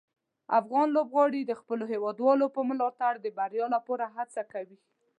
افغان لوبغاړي د خپلو هیوادوالو په ملاتړ د بریا لپاره هڅه کوي.